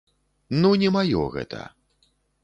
Ну, не маё гэта.